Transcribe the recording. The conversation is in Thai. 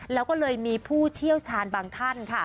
แล้วก็เลยมีผู้เชี่ยวชาญบางท่านค่ะ